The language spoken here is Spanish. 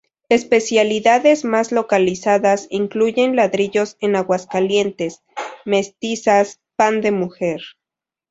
Especialidades más localizadas incluyen ladrillos en Aguascalientes, "mestizas", "pan de mujer".